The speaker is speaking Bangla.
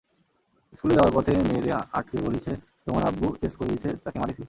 স্কুলে যাওয়ার পথে মেয়েরে আটকে বলিছে, তোমার আব্বু তেজ করিছে তাকে মারিছি।